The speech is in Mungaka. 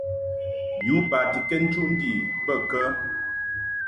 Yu batikɛd nchuʼ ndi bə kə ?